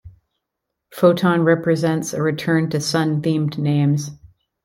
Photon represents a return to sun-themed names.